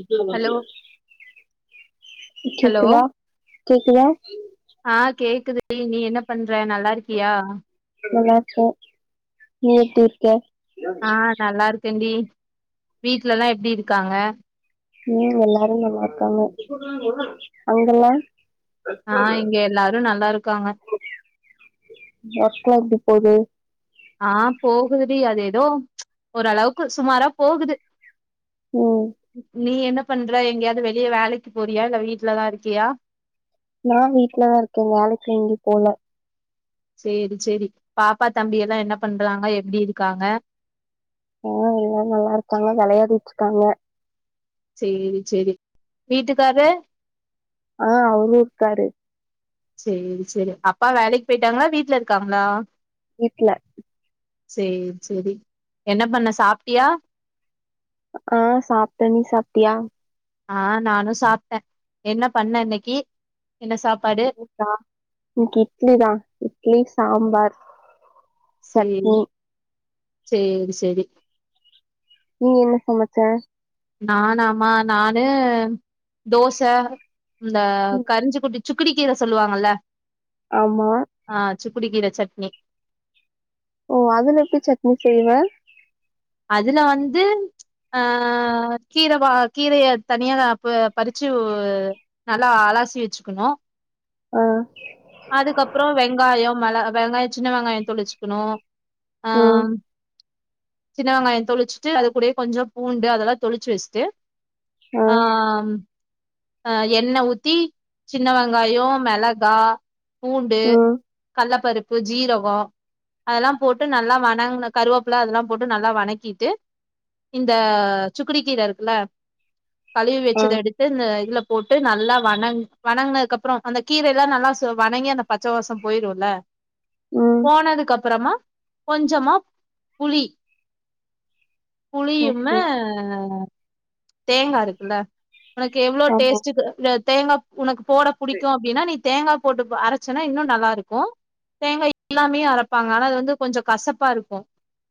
இப்ப ஹலோ என்னாது ஹலோ கேக்குதா கேக்குதா கேக்குது நீ என்ன பண்ற நல்லாருக்கியா அ நீ எப்டி இருக்க ஆ நல்லாருக்கேன்டி வீட்லலா எப்டி இருக்காங்க ம் எல்லாரு நல்லாருக்காங்க அங்கல்லா ஆ இங்க எல்லாரு நல்லாருக்காங்க ஒர்க்லா எப்டி போது ஆ போகுதுடி அது எதோ ஓரளவுக்கு சுமாரா போகுது ம் நீ என்ன பண்ற எங்கயாது வெளிய வேலைக்கு போறியா இல்ல வீட்லதா இருக்கியா நா வீட்லதா இருக்கே வேலைக்கு எங்யு போல சேரி சேரி பாப்பா தம்பி எல்லா என்ன பண்றாங்க எப்டி இருக்காங்க ஆ எல்லா நல்லாருக்காங்க வெளையாடிட்ருக்காங்க சேரி சேரி வீட்டுகாரு ஆ அவுரு இருக்காரு சேரி சேரி அப்பா வேலைக் போய்ட்டாங்ளா வீட்ல இருக்காங்ளா வீட்ல சேரி சேரி என்ன பண்ண சாப்டியா ஆ சாப்டே நீ சாப்டியா ஆ நானு சாப்டே என்ன பண்ண இன்னிகி இன்னிகா இன்னிகி இட்லிதா இட்லி சாம்பார் சட்னி சேரி சேரி சேரி நீ என்ன சமச்ச நானாமா நானு தோச இந்த ம், கரிஞ்சு குடி சுக்குடி கீர சொல்லுவாங்கல்ல ஆமா சுகுடிகீர சட்னி ஓ அதுல எப்டி சட்னி செய்வ அதுல வந்து ஆ கீர வா கீரைய தனிய நா அப்ப பறிச்சு நல்லா அலாசி வெச்சுகுணு ஆ அதுக்கப்றோ வெங்காயொ மெள வெங்காயொ சின்ன வெங்காயொ தொளிச்சுகுணு ஆ ம் சின்ன வெங்காயொ தொளிச்சுட்டு அது கூடயே கொஞ்சோ பூண்டு அதல்லா தொளிச்சு வெஸ்ட்டு ஆ ஆம் ஆ எண்ண ஊத்தி சின்ன வெங்காய மெளகா பூண்டு ம் கள்ளப்பருப் இப்போ ஜீரக அதெல்லா போட்டு நல்லா வணங்க கருவேப்பலா அதெல்லா போட்டு நல்லா வணக்கிட்டு இந்த சுக்குடி கீர இருக்குல கழுவி ஆ வச்சத எடுத்து இந்த இதுலப் போட்டு நல்லா வணங் வணங்குனதுக்கப்பறோ அந்த கீர எல்லா நல்லா சு வணங்கி அந்த பச்சவாச போயிருல்ல ம் போனதுக்கு அப்பறமா கொஞ்சமா புளி ஓகே. புளியும்மை தேங்கா இருக்குல்ல உனக்கு எவ்வளோ ஆமா. டேஸ்டு தேங்கா உனக் போட புடிக்கு அப்டின்னா நீ தேங்கா போட்டு அரைச்சனா இன்னு நல்லாருக்கு தேங்கா இல்லாமயே அரைப்பாங்க ஆனா அது வந்து கொஞ்சம் கசப்பா இருக்கு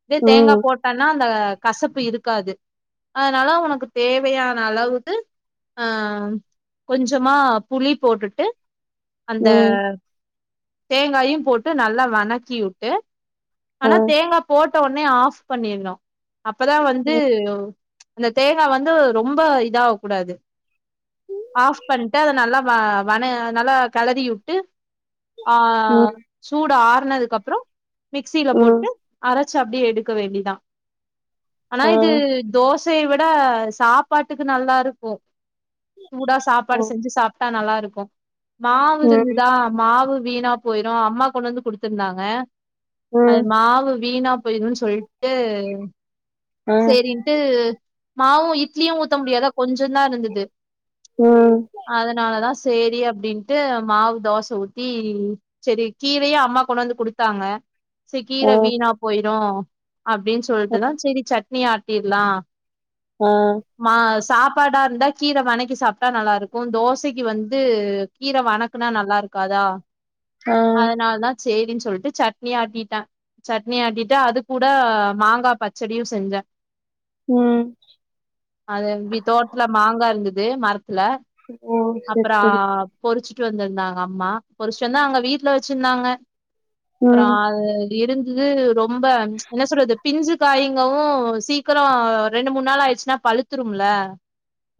இதே தேங்கா ம். போட்டன்னா அந்த கசப்பு இருக்காது அதனால உனக்கு தேவையான அளவுக்கு ஆ கொஞ்சமா புளி போட்டுட்டு அந்த ம். தேங்காயு போட்டு நல்லா வணக்கி வுட்டு ஆ. ஆனா தேங்கா போட்ட ஒனே ஆஃப் பண்ணிரணு அப்பதா வந்து ம். அந்த தேங்கா வந்து ரொம்ப இதாவ கூடாது ஆஃப் பண்ட்டு அத நல்லா வ வன நல்லா களறி விட்டு ஆ ம். சூடாறுனதுகக்கப்பற மிக்சில ம். போட்டு அரச் அப்டி எடுக்க வேண்டிதா ஆனா ஆ. இது தோசையை வி ட சாப்பாட்டுக்கு நல்லாருக்கு சூடா ஓ. சாப்பாடு செஞ்சு சாப்ட்டா நல்லாருக் மாவு ம். இருந்துதா மாவு வீணா போயிரு அம்மா கொண்டு வந்து குடுத்திருந்தாங்க ம். அது மாவு வீணாப் போய்ரும்ன் சொல்ட்டு ஆ. செரின்ட்டு மாவு இட்லியு ஊத்த முடியாத கொஞ்சந்தா இருந்தது ம். அதனாலதா செரி அப்டின்ட்டு மாவு தோசை ஊத்தி செரி கீரையு அம்மா கொண்டு வந்து குடுத்தாங்க ச ஓ. கீரை வீணா போயிரு அப்டின்னு சொல்ட்டுதா செரி சட்னி ஆட்டிடலா ஆ சாப்பாட இருந்தா கீர வணக்கி சாப்ட்டா நல்லாருக்கு தோசைக்கு வந்து கீர வணக்குனா நல்லாருக் இருக்காதா ஆ. அதனால தா சேரினு சொல்லிட்டு சட்னி ஆட்டிட்டே சட்னி ஆட்டிட்டா அது கூட மாங்கா பச்சடியு செஞ்சே ம். அது அப்டி தோட்டத்ல மாங்கா இருந்தது மர ல ஓ! சரி, அப்பற சரி. பொறிச் டு வந்திருந்தாங்க அம்மா பொருச்சுட்டு வந்து அங்க வீட்ல வச்சிருந்தாங்க அப்புற ம். அது இருந்து இது ரொம்ப என்ன சொல்றது பிஞ்சு காயிங்கவு சீக்கிர ரெண்டு மூணு நாள்ளாயிடுச்சுன்னா பழுத்துரும்ல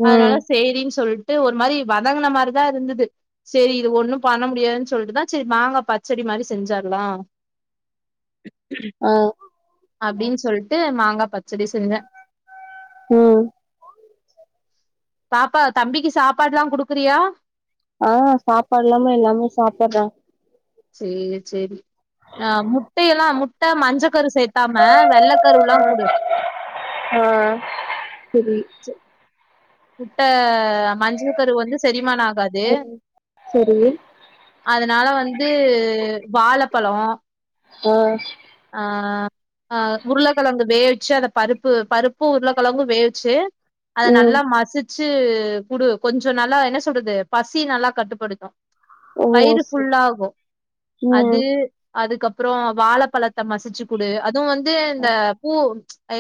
ம். அதனால சேரின் சொல் ஒரு மாரி வதங்குன மாதிரிதா இருந்தது செரி இது ஒண்ணு பண்ண முடியாதுன் சொல்லிட்டுதா செரி மாங்கா பச்சடி மாரி செஞ்சர்லா ஆ. அப்டின்னு சொல்ட்டு மாங்கா பச்சடி செஞ்சே ம் பாப்பா தம்பிக்கு சாப்பாட்ல்லா குடுக்குறியா ஆ சாப்பாட்லாமே எல்லாமே சாப்பறோ சாரி சரி ஆ முட்டையெல்லா முட்ட மஞ்ச கரு சேத்தாம வெள்ள கருல்லா ஆ. குடு ஆ சரி முட்ட மஞ்ச கரு வந்து சரி மான ஆகாது ம். சரி. அதனால வந்து வாழப் பலோ ஆ ஆஹ் அஹ் உருளைக்கெழங்கு வேவிச்சு அந்த பருப்பு பருப்பும் உருளைக்கெழங்கும் வேவிச்சு அத ம். நல்லா மசிச்சு குடு கொஞ்சம் நல்லா என்ன சொல்றது பசி நல்லா கட்டுப்படுத்தும் ஓ! வயிறு சரி. ஃபுல்லாகும் அது ம். அதுக்கப்புறம் வாழைப்பழத் த மசிச்சு குடு அதுவும் வந்து அ இந்த பூ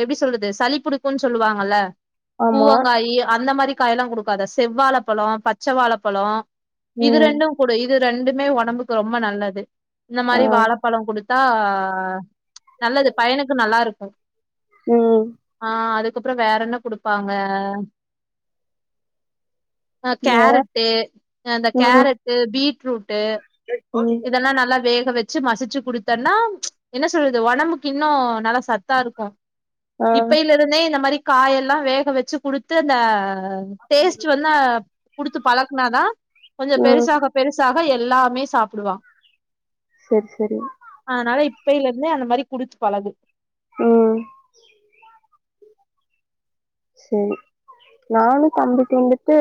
எப்படி சொல்றது சளிப்புடிக்கும்ன்னு சொல்லுவாங்கல்ல ஆமா. பூவங்காயி அந்த மாதிரி காயொல்லாம் கொடுக்காத செவ்வாழை பழோ பச்சை வாழைப்பழோ இது ம். ரெண்டும் கொடு இது ரெண்டுமே உடம்புக்கு ரொம்ப நல்லது இந்த ஆ. மாதிரி வாழைப்பழோ கொடுத் தா நல்லது பையனுக்கும் நல்லா இருக்கும் உம் அதுக்கப்புறம் வேற என்ன குடுப்பாங்க அஹ வேற? கேரட்டு அந்த ம். கேரட்டு பீட்ரூட்டு் ம். இதல்லா நல்லா வேக் வச்சு மசிச்சு குடுத்தேன்னா என்ன சொல்றது உடம்புக்கு இன்னும் நல்லா சத்தா இருக்கும் ஆ. இப்பியிலே இருந்தே இந்த மாதிரி காய எல்லாம் வேக வச்சு குடுத்து அந்த டேஸ்ட் வந்து கொடுத்து பழக்கனாதான் கொஞ்சம் ம். பெருசாக பெருசாக எல்லாமே சாப்பிடுவான் சரி சரி இப்பையில இருந்தே அந்த மாதிரி குடுத்து பழகு ம்ஹ் சரி நானும் தம்பிக்கு வந்துட்டு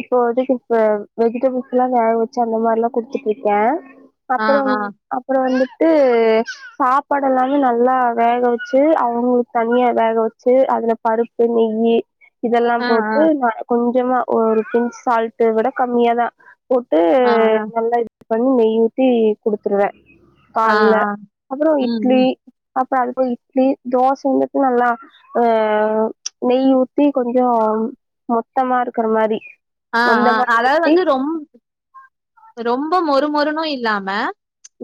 இப்போ வதுக்கு இப்ப வெஜிடபிள்ஸ் எல்லாம் வேக வச்சா அந்த மாதிரல்லாம் குடுத்துட்டு இருக்கேன் ஆ அப்புறம் ஆ அப்புறம் வந்துட்டு சாப்பாடு எல்லாமே நல்லா வேக வச்சு அவங்களுக்கு தனியா வேக வச்சு அதுல பருப்பு நெய்யி இதெல்லாம் ஆ போட்டு ந கொஞ்ச கொஞ்சமா ஒரு பிஞ்ச் சால்ட விட கம்மியா தான் போட்டு ஆ ஆ ஆ நல்லா பண்ணி நெய் ஊத்தி குடுத்துருவேன் ஆ கால்ல ஆ அப்புறம் ம் ம் இட்லி அப்புறம் அது போய் இட்லி தோசை வந்துட்டு நல்லா அஹ் ஹ நெய் ஊத்தி கொஞ்சம் மொத்தமா இருக்கற மாரி ஆஹ் அந்த ஆஹ் மாரி அதாவது ஊத்தி வந்து ரொம் ரொம்ப மொறுமொறுனும் இல்லாம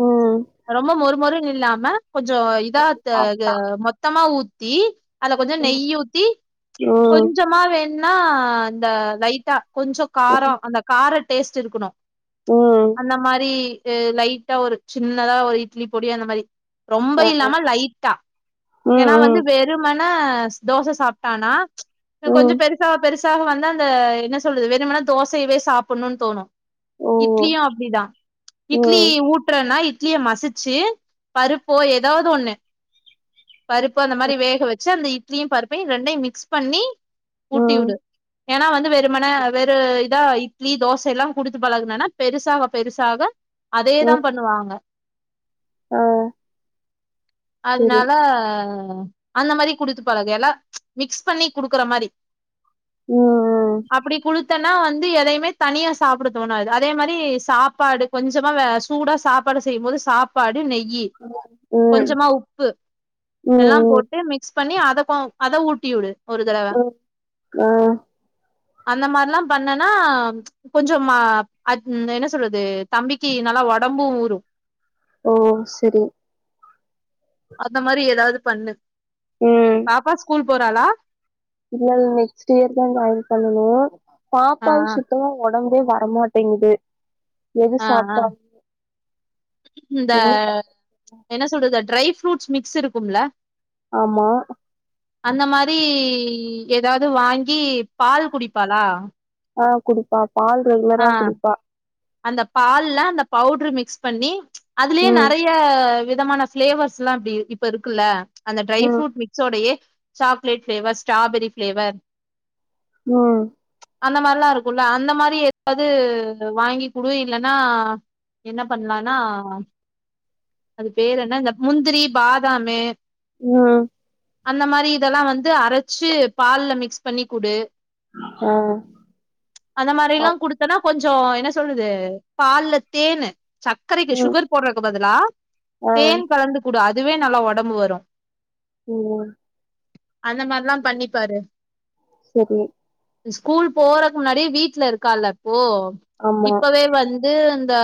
ம் ரொம்ப மொறுமொறுன்னு இல்லாம கொஞ்சம் இதா சாப்ட்டா மொத்தமா ஊத்தி அதை கொஞ்சம் நெய் ம் ஊத்தி ம் கொஞ்சமா வேணும்னா இந்த லைட்டா கொஞ்சம் ம் காரம் அந்த கார டேஸ்ட் இருக்கணும் ம் அந்த மாரி லைட்டா ஒரு சின்னதா ஒரு இட்லி பொடிய அந்த மாரி ரொம்ப ஆ இல்லாம லைட்டா ம் ஏன்னா வந்து ம் வெறுமண் ணா தோசை சாப்பிட்டானா ம் கொஞ்சம் பெருசா பெருசாக வந்து அந்த என்ன சொ ல்றது வேறும்னா தோசையவே சாப்பிடணும்னு தோணும் ஓ இட்லியும் அப்டிதான் இட்லி ம் ஊட்டுறேன்னா இட்லிய மசிச்சு பருப்போ ஏதாவது ஒண்ணு பருப்பு அந்த மாதிரி வேக வச்சு அந்த இட்லியும் பருப்பையும் ரெண்டையும் மிக்ஸ் பண்ணி ஊட்டி ம் வுடு ஏன்னா வந்து வெறுமன வேறு இதா இட்லி தோசை எல்லாம் குடுத்து பழகுனன்னா பெருசாக பெருசாக அதேதான் பண்ணுவாங்க ஆஹ் அதனால அந்த மாரி குடுத்து பழகு எல்லாம் மிக்ஸ் பண்ணி குடுக்குற மாரி உம் அப்படி குடுத்த தன்னா வந்து எதையுமே தனியா சாப்பிட தோணும்து அதே மாதிரி சாப்பாடு கொஞ்சமா வே சூடா சாப்பாடு செய்யும்போது சாப்பாடு நெய்யி ம் கொஞ்சமா உப்பு ம் எல்லாம் ம் போட்டு மிக்ஸ் பண்ணி அதப்ப அத ஊட்டிவிடு ஹம் க அந்த மாரிலா பண்ணேனா கொஞ்சமா என்ன சொல்றது தம்பிக்கு நல்லா ஒடம்பு ஊரு ஓ செரி அந்த மாரி எதாவது பண்ணு ம் பாப்பா ஸ்கூல் போறாளா இல்ல இல்ல நெக்ஸ்ட் இயர்தா ஜாயின் பண்ணணு ஆ பாப்பாவு சுத்தமா ஒட ஒடம்பே வரமாட்டேங்குது எது ஆ ஆ சாப்ட்டாலு இந்த என்ன [inaudible] என்ன சொல்றது ட்ரை ஃப்ரூட்ஸ் மிக்ஸ் இருக்கும்ல ஆமா அந்த மாரி எதாவது வாங்கி பால் குடிப்பாளா ஆ குடிப்பா பால் ஆ ரெகுலரா குடிப்பா அந்த பால்ல அந்த பவுடரு மிக்ஸ் பண்ணி அதுலயே ம் நெறைய விதமான பிளேவர்ஸ்லா இப்டி இப்ப இருக்குல்ல அந்த ட்ரை ம் ஃப்ரூட் மிக்ஸோடையே சாக்லேட் ஃப்ளேவர் ஸ்ட்ராபெரி ஃப்ளேவர் ம் அந்த மாரிலா இருக்குல்ல அந்த மாரி அது வாங்கி குடு இல்லனா என்ன பண்லான்னா அது பேரு என்ன இந்த முந்திரி பாதாமு ம் அந்த மாரி இதெல்லா வந்து அரச்சு பால்ல மிக்ஸ் பண்ணிக்குடு ஆ அ அப்பனா கொஞ்சோ என்ன சொல்லுது பால்ல தேனு சக்கரைக்கு ம் சுகர் போடுறக்கு பதிலா ஆ தேன் கலந்து குடு அதுவே நல்லா ஒடம்பு வரு ஓம் அந்த மாரிலா பண்ணிப்பாரு சரி ஸ்கூல் போறக்கு முன்னாடி வீட்ல இருக்கால்ல இப்போ ஆமா இப்பவே வந்து இந்த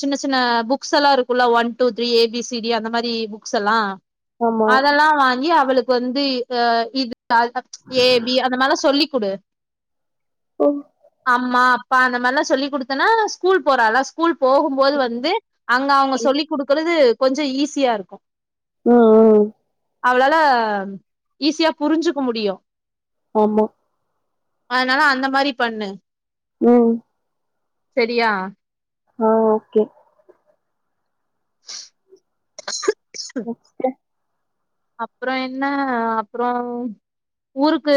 சின்ன சின்ன புக்ஸ் எல்லா இருக்குல்ல ஒன் டூ த்ரீ ஏபிசிடி அந்த மாரி புக்ஸ் எல்லா ஆமா அதெல்லா வாங்கி அவளுக்கு வந்து அ இது ஆல்ஃப ஏபி அந்த மாரிலா சொல்லி குடு ம் அம்மா இப்ப அந்த மாரிலா சொல்லி குடுத்தேன்னா ஸ்கூல் போறாள ஸ்கூல் போகும்போது ம் வந்து அங்க அவுங்க சொல்லிக் குடுக்குறது கொஞ்ச ஈஸியா இருக்கு ம் ம் அவளால ஈஸியா புரிஞ்சுக்க முடியு ஆமா அதுனால அந்த மாரி பண்ணு ம் செரியா ஆ ஓகே நெக்ஸ்டு அப்புற என்ன அப்புறோ ஊருக்கு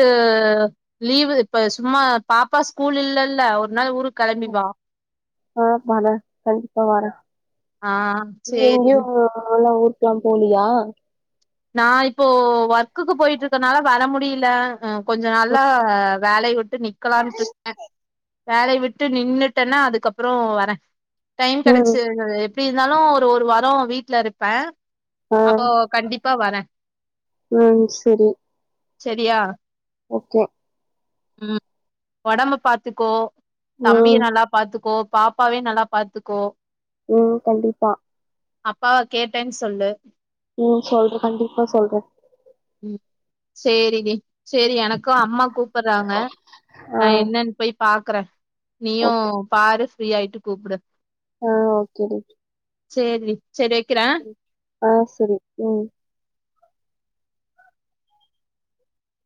லீவு இப்ப சும்மா பாப்பா ஸ்கூல் இல்லல்ல ஒரு னா ஊருக் கெளம்பி வா ஆமாள கண்டிப்பா வரே ஆ நீ எங்கேயு சேரிடி [unintelligible] ஊருக் லா போனியா நா இப்போ ஒர்க்குக்கு போயிட்டு இருக்கனால வர முடியல கொஞ்ச ம் நல்லா வேலைய விட்டு நிக்கலான்ட்டுருக்கே வேலைய விட்டு நின்னுட்டேன்னா அதுக்கப்பறோ வரே டைம் கெடச்சு ம் எப்டி இருந்தாலு ஒரு ஒரு வாரோ வீட்டுல இருப்பே ஆ அப்போ கண்டிப் ம் செரி செரியா ஓகே ம் ஒடம்பு பாத்துக்கோ ம் தம்பிய நல்லா பாத்துக்கோ பாப்பாவையோ நல்லா பாத்துக்கோ ம் கண்டிப்பா அப்பாவா கேட்டேன் சொல்லு ம் சொல்றே கண்டிப்பா சொல்றே ம் சேரி டி சேரி எனக்கு அம்மா கூப்புறாங்க ஆ நா என்னன் போய் பாக்குறே நீயு ஓகே பாரு ஃப்ரீ ஆயிட்டு கூப்புடு ஆ ஓகே டி சேரி டி செரி வெக்கிறே ஆ செரி ம்